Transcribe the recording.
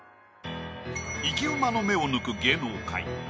生き馬の目を抜く芸能界